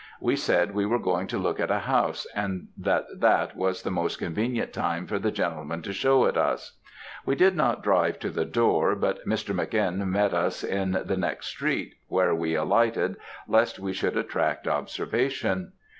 We said we were going to look at a house, and that that was the most convenient time for the gentleman to show it us. We did not drive to the door, but Mr. Mc. N. met us in the next street, where we alighted, lest we should attract observation.